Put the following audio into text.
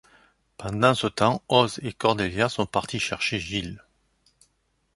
Pendant ce temps, Oz et Cordelia sont partis chercher Giles.